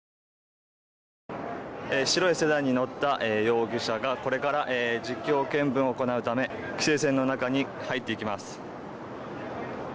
白いセダンに乗った容疑者がこれから実況見分を行うため規制線の中に入っていきます。